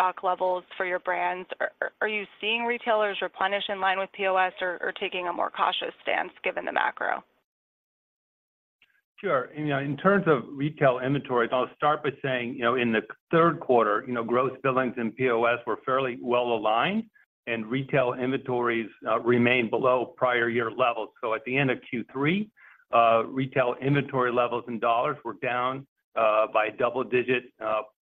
Stock levels for your brands, are you seeing retailers replenish in line with POS or taking a more cautious stance given the macro? Sure. You know, in terms of retail inventories, I'll start by saying, you know, in the Q3, you know, gross billings and POS were fairly well aligned, and retail inventories remained below prior year levels. So at the end of Q3, retail inventory levels in dollars were down by double-digit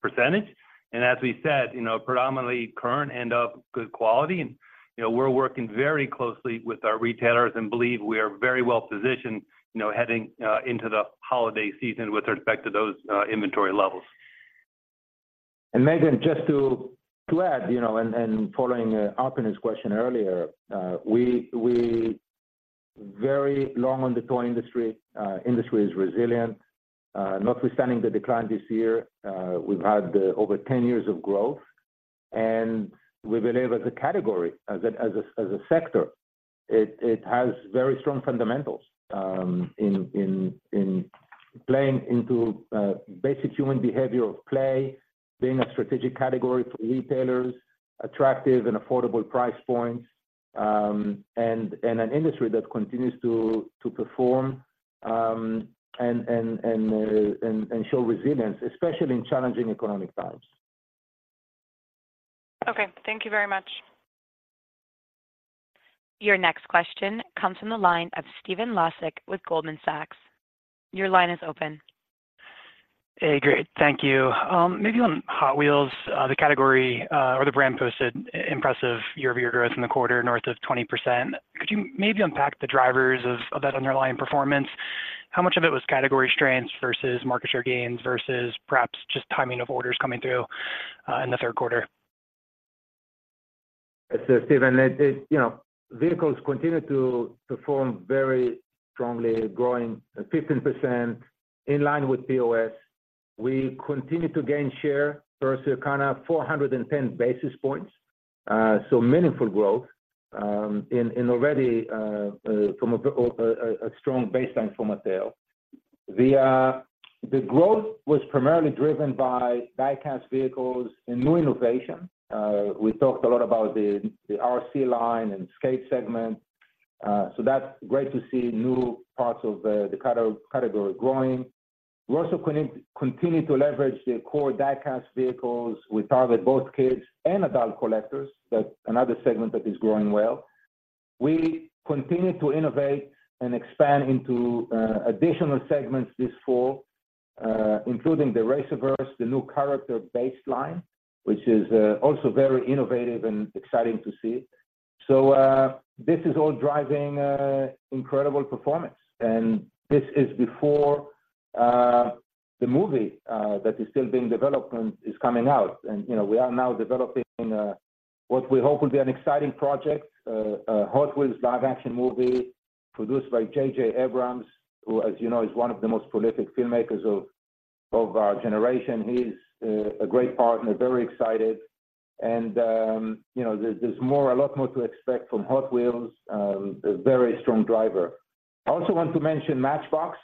percentage. And as we said, you know, predominantly current and of good quality. And, you know, we're working very closely with our retailers and believe we are very well positioned, you know, heading into the holiday season with respect to those inventory levels. And Megan, just to add, you know, and following Arpine question earlier, we very long on the toy industry. Industry is resilient. Notwithstanding the decline this year, we've had over 10 years of growth, and we believe as a category, as a sector, it has very strong fundamentals, in playing into basic human behavior of play, being a strategic category for retailers, attractive and affordable price points, and show resilience, especially in challenging economic times. Okay. Thank you very much. Your next question comes from the line of Stephen Laszczyk with Goldman Sachs. Your line is open. Hey, great. Thank you. Maybe on Hot Wheels, the category, or the brand posted impressive year-over-year growth in the quarter, north of 20%. Could you maybe unpack the drivers of, of that underlying performance? How much of it was category strengths versus market share gains, versus perhaps just timing of orders coming through, in the Q3? So Stephen, You know, vehicles continue to perform very strongly, growing 15% in line with POS. We continue to gain share versus kind of 410 basis points, so meaningful growth, in already from a strong baseline from Mattel. The growth was primarily driven by die-cast vehicles and new innovation. We talked a lot about the RC line and skate segment, so that's great to see new parts of the category growing. We also continue to leverage the core die-cast vehicles. We target both kids and adult collectors. That's another segment that is growing well. We continue to innovate and expand into additional segments this fall, including the RacerVerse, the new character baseline, which is also very innovative and exciting to see. So, this is all driving incredible performance, and this is before the movie that is still being developed is coming out. And, you know, we are now developing what we hope will be an exciting project, a Hot Wheels live action movie produced by J.J. Abrams, who, as you know, is one of the most prolific filmmakers of our generation. He's a great partner, very excited, and, you know, there's more, a lot more to expect from Hot Wheels, a very strong driver. I also want to mention Matchbox,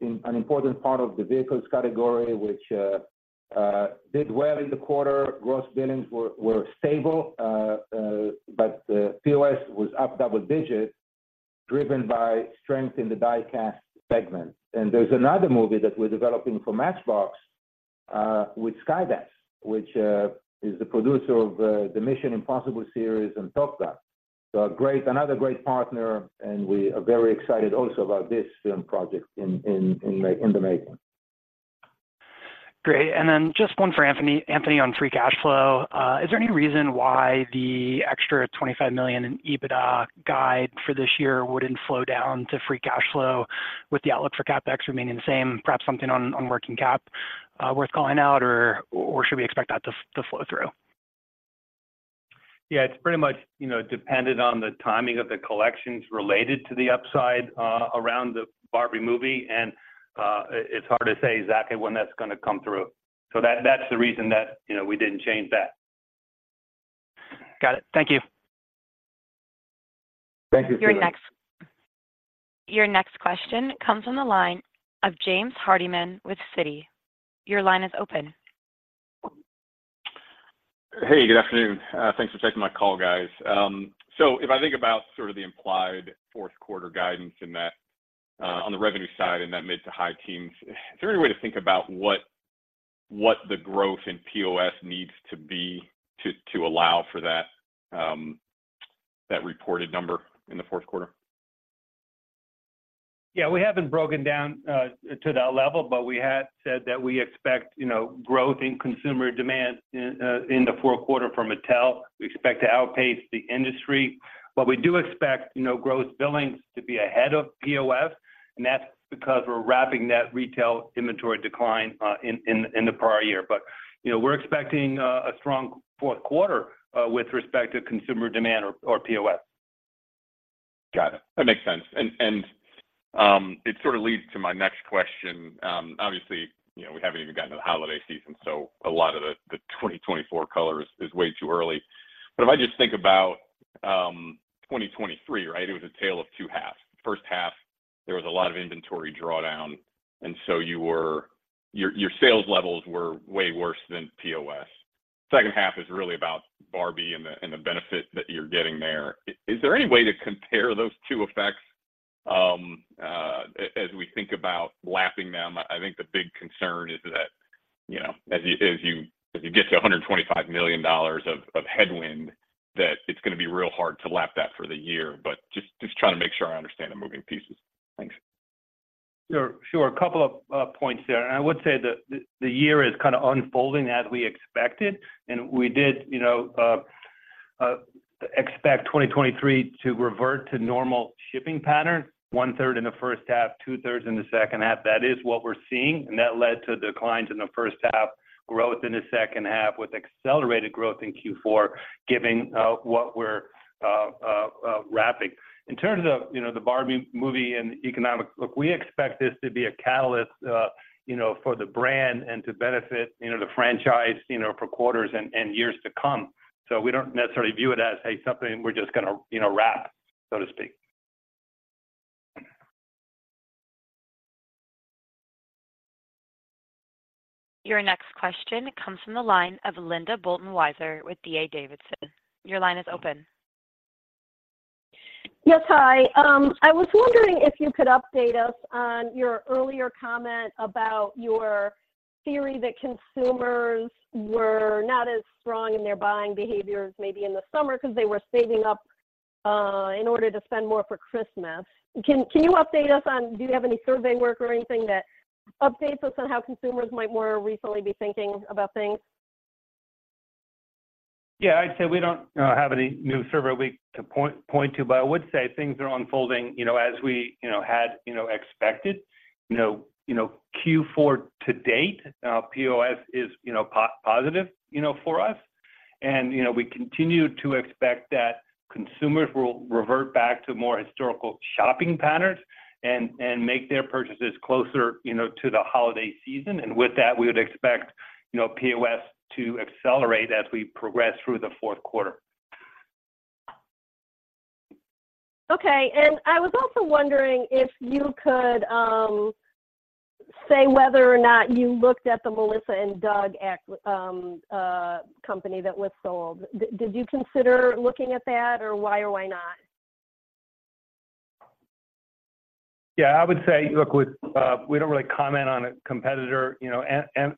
an important part of the vehicles category, which did well in the quarter. Gross billings were stable, but POS was up double digit, driven by strength in the die-cast segment. There's another movie that we're developing for Matchbox with Skydance, which is the producer of the Mission Impossible series and Top Gun. So another great partner, and we are very excited also about this film project in the making. Great. And then just one for Anthony. Anthony, on free cash flow, is there any reason why the extra $25 million in EBITDA guidance for this year wouldn't flow down to free cash flow with the outlook for CapEx remaining the same? Perhaps something on working cap worth calling out, or should we expect that to flow through? Yeah, it's pretty much, you know, dependent on the timing of the collections related to the upside around the Barbie movie, and it's hard to say exactly when that's gonna come through. So that's the reason that, you know, we didn't change that. Got it. Thank you. Thank you, Steven. Your next question comes on the line of James Hardiman with Citi. Your line is open. Hey, good afternoon. Thanks for taking my call, guys. So if I think about sort of the implied Q4 guidance in that, on the revenue side and that mid- to high teens, is there any way to think about what the growth in POS needs to be to allow for that reported number in the Q4? Yeah, we haven't broken down to that level, but we had said that we expect, you know, growth in consumer demand in the Q4 for Mattel. We expect to outpace the industry, but we do expect, you know, gross billings to be ahead of POS, and that's because we're wrapping that retail inventory decline in the prior year. But, you know, we're expecting a strong Q4 with respect to consumer demand or POS. Got it. That makes sense. It sort of leads to my next question. Obviously, you know, we haven't even gotten to the holiday season, so a lot of the 2024 color is way too early. But if I just think about 2023, right? It was a tale of two halves. First half there was a lot of inventory drawdown, and so you were, your sales levels were way worse than POS. Second half is really about Barbie and the benefit that you're getting there. Is there any way to compare those two effects as we think about lapping them? I think the big concern is that, you know, as you, if you get to $125 million of headwind, that it's gonna be real hard to lap that for the year, but just trying to make sure I understand the moving pieces. Thanks. Sure. Sure. A couple of points there, and I would say that the year is kinda unfolding as we expected, and we did, you know, expect 2023 to revert to normal shipping pattern, one third in the first half, two thirds in the second half. That is what we're seeing, and that led to declines in the first half, growth in the second half, with accelerated growth in Q4, giving what we're wrapping. In terms of, you know, the Barbie movie and economic... Look, we expect this to be a catalyst, you know, for the brand and to benefit, you know, the franchise, you know, for quarters and years to come. So we don't necessarily view it as, hey, something we're just gonna, you know, wrap, so to speak. Your next question comes from the line of Linda Bolton Weiser with D.A. Davidson. Your line is open. Yes, hi. I was wondering if you could update us on your earlier comment about your theory that consumers were not as strong in their buying behavior as maybe in the summer because they were saving up in order to spend more for Christmas. Can you update us on do you have any survey work or anything that updates us on how consumers might more recently be thinking about things? Yeah, I'd say we don't have any new survey to point to, but I would say things are unfolding, you know, as we, you know, had, you know, expected. You know, you know, Q4 to date, POS is, you know, positive, you know, for us. And, you know, we continue to expect that consumers will revert back to more historical shopping patterns and make their purchases closer, you know, to the holiday season. And with that, we would expect, you know, POS to accelerate as we progress through the Q4. Okay. And I was also wondering if you could say whether or not you looked at the Melissa & Doug company that was sold. Did you consider looking at that, or why not? Yeah, I would say, look, we don't really comment on a competitor, you know,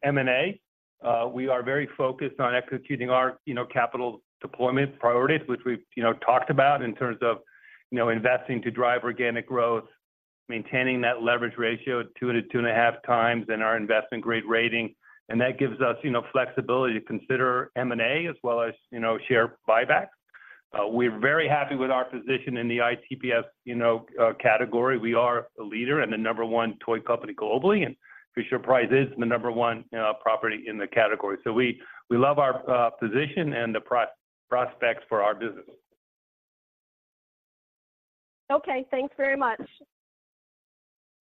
M&A. We are very focused on executing our, you know, capital deployment priorities, which we've, you know, talked about in terms of, you know, investing to drive organic growth, maintaining that leverage ratio 2 to 2.5x, and our investment-grade rating. And that gives us, you know, flexibility to consider M&A as well as, you know, share buybacks. We're very happy with our position in the ITPS, you know, category. We are a leader and the number one toy company globally, and Fisher-Price is the number one property in the category. So we love our position and the prospects for our business. Okay, thanks very much.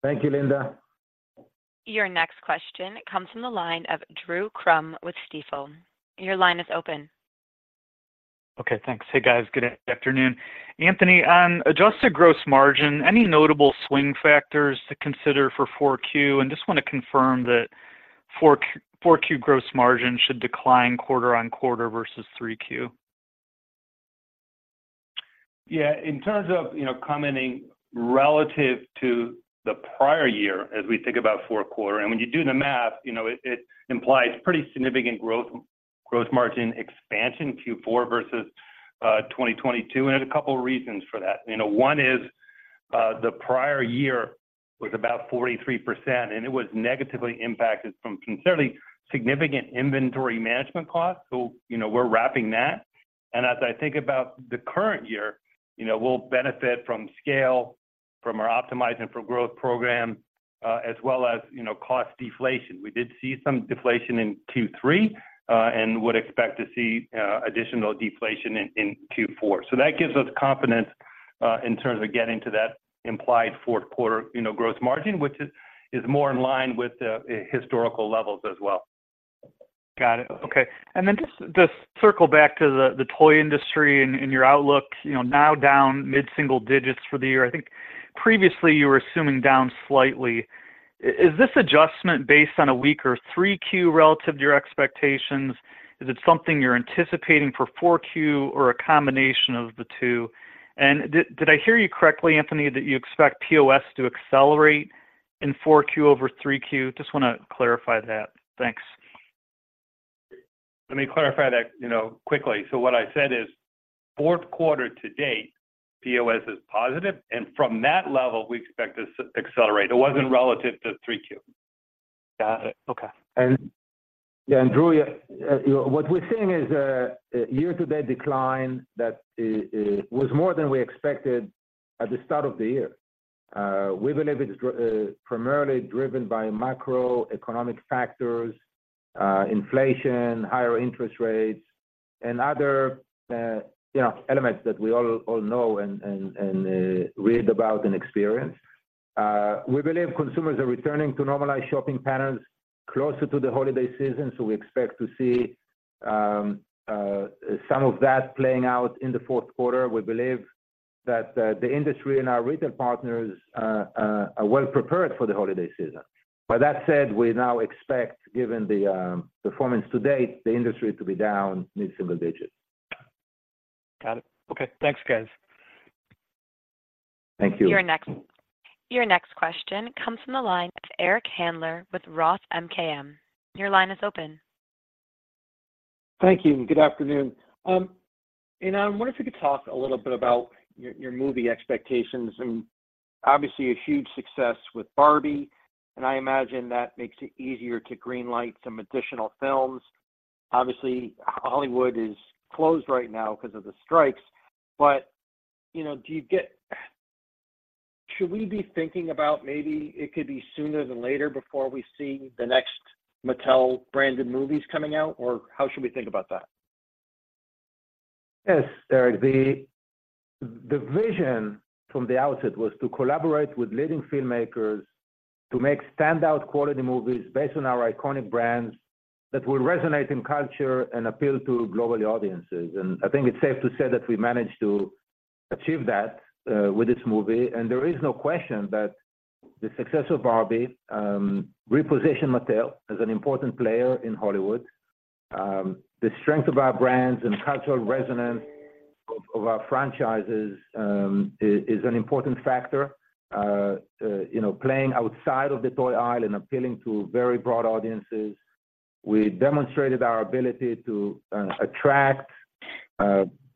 Thank you, Linda. Your next question comes from the line of Drew Crum with Stifel. Your line is open. Okay, thanks. Hey, guys. Good afternoon. Anthony, on adjusted gross margin, any notable swing factors to consider for Q4? And just wanna confirm that Q4, Q4 gross margin should decline quarter-over-quarter versus Q3. Yeah, in terms of, you know, commenting relative to the prior year as we think about Q4, and when you do the math, you know, it implies pretty significant growth, gross margin expansion Q4 versus 2022, and a couple reasons for that. You know, one is the prior year was about 43%, and it was negatively impacted from considerably significant inventory management costs. So, you know, we're wrapping that. And as I think about the current year, you know, we'll benefit from scale, from our Optimizing for Growth program, as well as, you know, cost deflation. We did see some deflation in Q3, and would expect to see additional deflation in Q4. That gives us confidence in terms of getting to that implied Q4, you know, gross margin, which is more in line with the historical levels as well. Got it. Okay, and then just circle back to the toy industry and your outlook. You know, now down mid-single digits for the year. I think previously you were assuming down slightly. Is this adjustment based on a weaker Q3 relative to your expectations? Is it something you're anticipating for Q4 or a combination of the two? And did I hear you correctly, Anthony, that you expect POS to accelerate in Q4 over Q3? Just wanna clarify that. Thanks. Let me clarify that, you know, quickly. So what I said is, Q4 to date, POS is positive, and from that level, we expect to accelerate. It wasn't relative to Q3. Got it. Okay. Yeah, Drew, you know, what we're seeing is a year-to-date decline that was more than we expected at the start of the year. We believe it's primarily driven by macroeconomic factors, inflation, higher interest rates, and other, you know, elements that we all know and read about and experience. We believe consumers are returning to normalized shopping patterns closer to the holiday season, so we expect to see some of that playing out in the Q4, we believe that the industry and our retail partners are well prepared for the holiday season. But that said, we now expect, given the performance to date, the industry to be down mid-single digits. Got it. Okay, thanks, guys. Thank you. Your next question comes from the line of Eric Handler with Roth MKM. Your line is open. Thank you, and good afternoon. I wonder if you could talk a little bit about your movie expectations, and obviously a huge success with Barbie, and I imagine that makes it easier to green light some additional films. Obviously, Hollywood is closed right now because of the strikes, but, you know, should we be thinking about maybe it could be sooner than later before we see the next Mattel-branded movies coming out, or how should we think about that? Yes, Eric. The vision from the outset was to collaborate with leading filmmakers to make standout quality movies based on our iconic brands that will resonate in culture and appeal to global audiences. I think it's safe to say that we managed to achieve that with this movie. There is no question that the success of Barbie repositioned Mattel as an important player in Hollywood. The strength of our brands and cultural resonance of our franchises is an important factor, you know, playing outside of the toy aisle and appealing to very broad audiences. We demonstrated our ability to attract,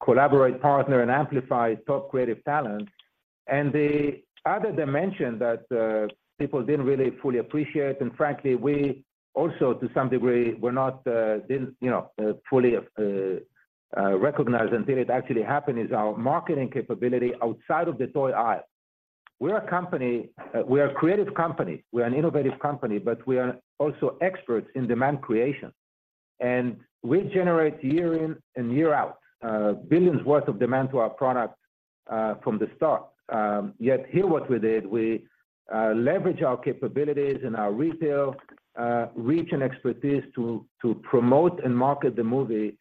collaborate, partner, and amplify top creative talent. And the other dimension that people didn't really fully appreciate, and frankly, we also, to some degree, were not, you know, fully recognize until it actually happened, is our marketing capability outside of the toy aisle. We're a company. We're a creative company, we're an innovative company, but we are also experts in demand creation. And we generate year in and year out, billions worth of demand to our product, from the start. Yet here what we did, we leveraged our capabilities and our retail reach and expertise to promote and market the movie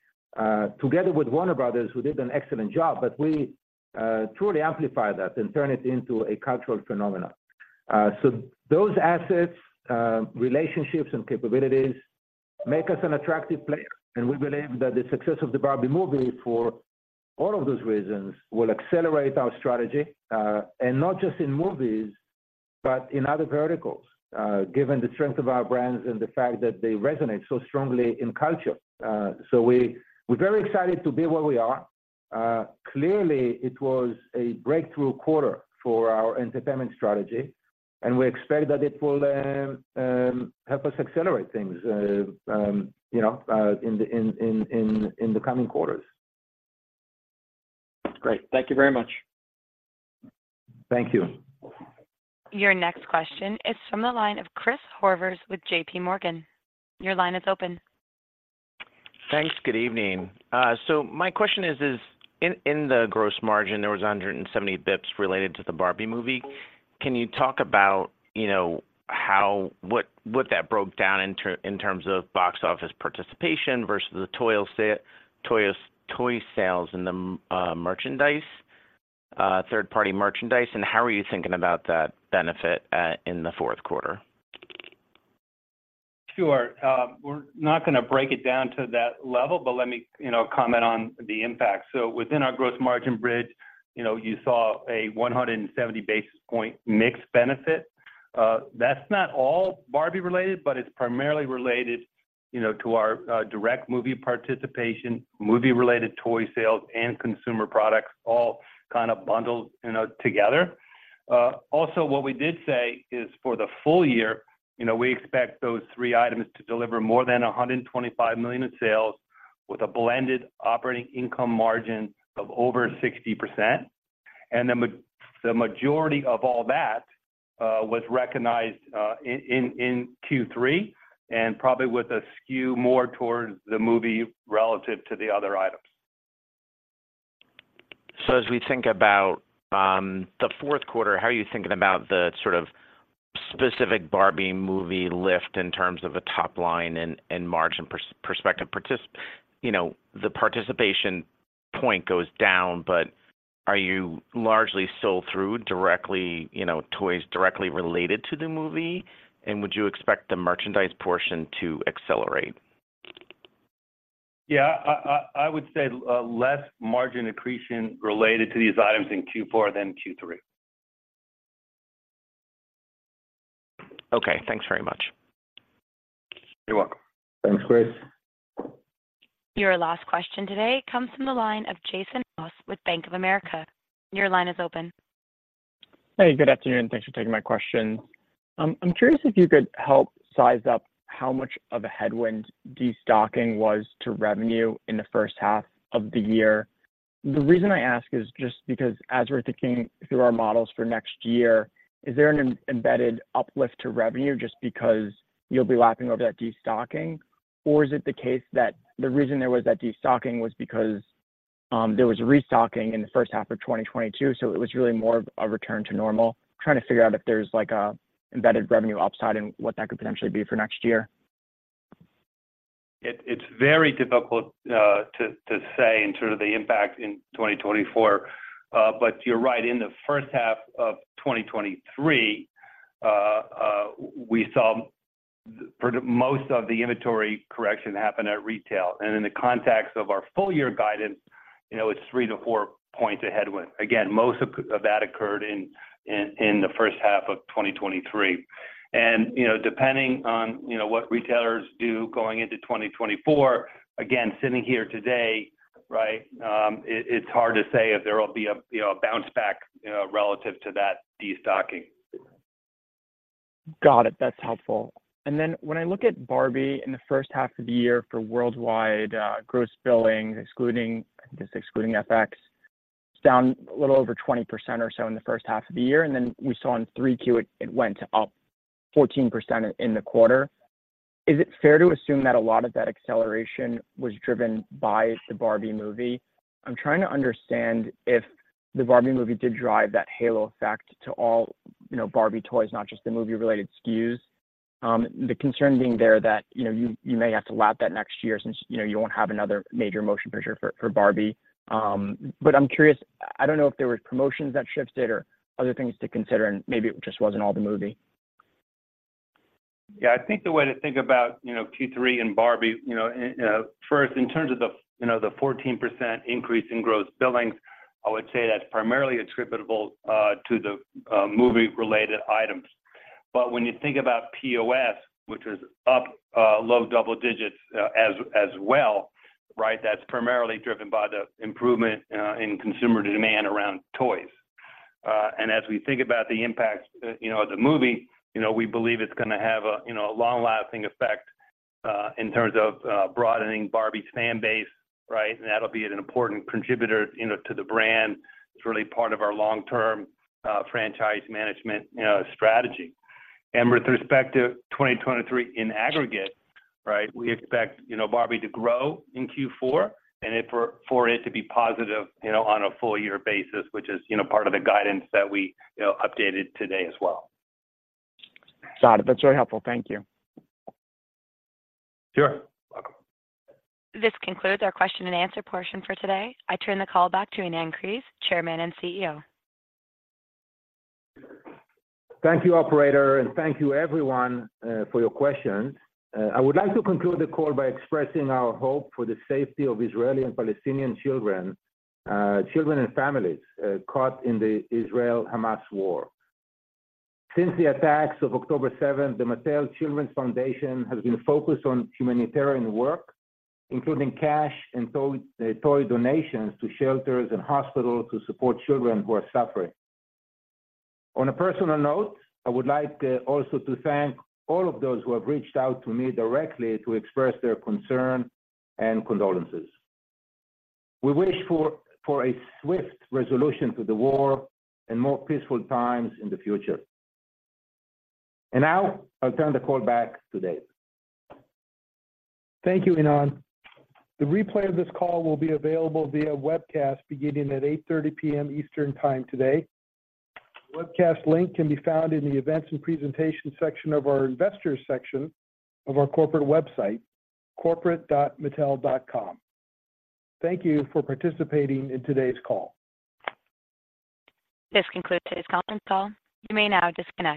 together with Warner Bros., who did an excellent job, but we truly amplify that and turn it into a cultural phenomenon. So those assets, relationships, and capabilities make us an attractive player, and we believe that the success of the Barbie movie, for all of those reasons, will accelerate our strategy, and not just in movies, but in other verticals, given the strength of our brands and the fact that they resonate so strongly in culture. So we, we're very excited to be where we are. Clearly, it was a breakthrough quarter for our entertainment strategy, and we expect that it will help us accelerate things, you know, in the coming quarters. Great. Thank you very much. Thank you. Your next question is from the line of Chris Horvers with JPMorgan. Your line is open. Thanks. Good evening. So my question is in the gross margin, there was 170 basis points related to the Barbie movie. Can you talk about, you know, how what that broke down in terms of box office participation versus the toy sale, toys, toy sales in the merchandise, third-party merchandise, and how are you thinking about that benefit in the Q4? Sure, we're not gonna break it down to that level, but let me, you know, comment on the impact. So within our growth margin bridge, you know, you saw a 170 basis point mix benefit. That's not all Barbie related, but it's primarily related, you know, to our direct movie participation, movie-related toy sales, and consumer products, all kind of bundled, you know, together. Also, what we did say is, for the full year, you know, we expect those three items to deliver more than $125 million in sales with a blended operating income margin of over 60%. And the majority of all that was recognized in Q3, and probably with a skew more towards the movie relative to the other items. So as we think about the Q4, how are you thinking about the sort of specific Barbie movie lift in terms of the top line and margin perspective participation? You know, the participation point goes down, but are you largely sold through directly, you know, toys directly related to the movie? And would you expect the merchandise portion to accelerate? Yeah, I would say less margin accretion related to these items in Q4 than Q3. Okay. Thanks very much. You're welcome. Thanks, Chris. Your last question today comes from the line of Jason Haas with Bank of America. Your line is open. Hey, good afternoon. Thanks for taking my question. I'm curious if you could help size up how much of a headwind destocking was to revenue in the first half of the year. The reason I ask is just because as we're thinking through our models for next year, is there an embedded uplift to revenue just because you'll be lapping over that destocking? Or is it the case that the reason there was that destocking was because there was restocking in the first half of 2022, so it was really more of a return to normal. Trying to figure out if there's, like, an embedded revenue upside and what that could potentially be for next year? It's very difficult to say in sort of the impact in 2024. But you're right, in the first half of 2023, we saw for the most of the inventory correction happen at retail. And in the context of our full year guidance, you know, it's 3 to 4 points of headwind. Again, most of that occurred in the first half of 2023. And, you know, depending on, you know, what retailers do going into 2024, again, sitting here today, right? It's hard to say if there will be a, you know, a bounce back, you know, relative to that destocking. Got it. That's helpful. And then when I look at Barbie in the first half of the year for worldwide gross billing, excluding, I guess, excluding FX, it's down a little over 20% or so in the first half of the year, and then we saw on Q3, it went up 14% in the quarter. Is it fair to assume that a lot of that acceleration was driven by the Barbie movie? I'm trying to understand if the Barbie movie did drive that halo effect to all, you know, Barbie toys, not just the movie-related SKUs. The concern being there that, you know, you, you may have to lap that next year since, you know, you won't have another major motion picture for Barbie. But, I'm curious. I don't know if there were promotions that shifted or other things to consider, and maybe it just wasn't all the movie. Yeah, I think the way to think about, you know, Q3 and Barbie, you know, first, in terms of the, you know, the 14% increase in gross billings, I would say that's primarily attributable to the movie-related items. But when you think about POS, which is up low double digits as well, right? That's primarily driven by the improvement in consumer demand around toys. And as we think about the impact, you know, of the movie, you know, we believe it's gonna have a long-lasting effect in terms of broadening Barbie's fan base, right? And that'll be an important contributor, you know, to the brand. It's really part of our long-term franchise management, you know, strategy. And with respect to 2023 in aggregate, right? We expect, you know, Barbie to grow in Q4 and for it to be positive, you know, on a full year basis, which is, you know, part of the guidance that we, you know, updated today as well. Got it. That's very helpful. Thank you. Sure. Welcome. This concludes our question and answer portion for today. I turn the call back to Ynon Kreiz, Chairman and CEO. Thank you, operator, and thank you everyone for your questions. I would like to conclude the call by expressing our hope for the safety of Israeli and Palestinian children, children and families caught in the Israel-Hamas war. Since the attacks of October seventh, the Mattel Children's Foundation has been focused on humanitarian work, including cash and toy donations to shelters and hospitals to support children who are suffering. On a personal note, I would like also to thank all of those who have reached out to me directly to express their concern and condolences. We wish for a swift resolution to the war and more peaceful times in the future. And now I'll turn the call back to Dave. Thank you, Ynon. The replay of this call will be available via webcast beginning at 8:30 P.M. Eastern Time today. The webcast link can be found in the Events and Presentation section of our Investors section of our corporate website, corporate.mattel.com. Thank you for participating in today's call. This concludes today's conference call. You may now disconnect.